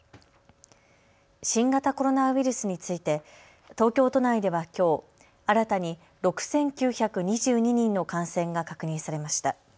新型コロナウイルスについて東京都内ではきょう、新たに６９２２人の感染が確認されました。